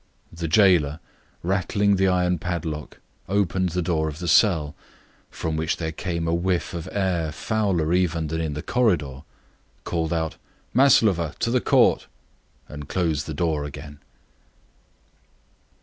The jailer, rattling the iron padlock, opened the door of the cell, from which there came a whiff of air fouler even than that in the corridor, and called out, "Maslova! to the Court," and closed the door again.